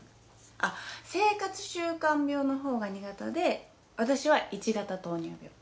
あっ生活習慣病のほうが２型で私は１型糖尿病。